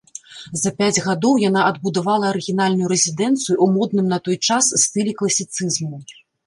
За пяць гадоў яна адбудавала арыгінальную рэзідэнцыю ў модным на той час стылі класіцызму.